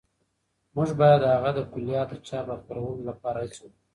موږ باید د هغه د کلیات د چاپ او خپرولو لپاره هڅې وکړو.